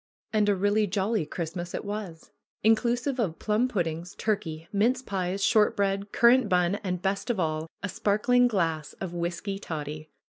And a really jolly Christmas it was! Inclusive of plum puddings, turkey, mince pies, short bread, currant bun, and, best of all, a sparkling glass of whisky toddy